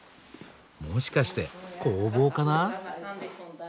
もしかして工房かな？